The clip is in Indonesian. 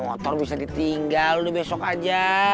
motor bisa ditinggal udah besok aja